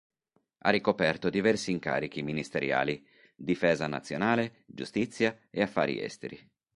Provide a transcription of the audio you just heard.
Ha ricoperto diversi incarichi ministeriali: Difesa nazionale, Giustizia e Affari esteri.